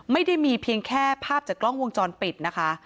ไม่ได้มีเพียงแค่ภาพจากกล้องวงจรปิดนะคะ